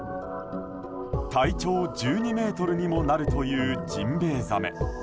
体長１２ｍにもなるというジンベイザメ。